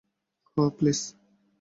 Oh, please.